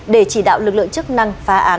để chỉ đạo lực lượng chức năng phá án